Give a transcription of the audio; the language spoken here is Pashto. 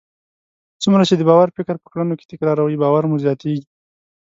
څومره چې د باور فکر په کړنو کې تکراروئ، باور مو زیاتیږي.